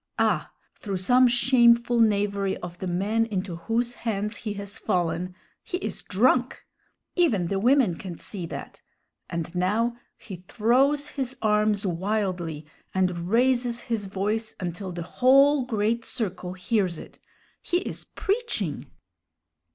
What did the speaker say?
Ah, through some shameful knavery of the men into whose hands he has fallen, he is drunk! Even the women can see that; and now he throws his arms wildly and raises his voice until the whole great circle hears it. He is preaching!